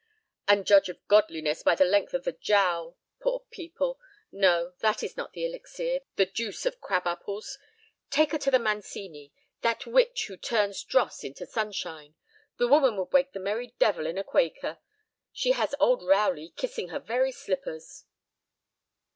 "And judge of godliness by the length of the jowl. Poor people! No—that is not the elixir, the juice of crab apples. Take her to the Mancini, that witch who turns dross into sunshine. The woman would wake the merry devil in a Quaker. She has old Rowley kissing her very slippers."